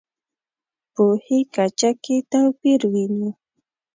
پوهې کچه کې توپیر وینو.